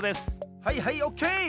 はいはいオッケー！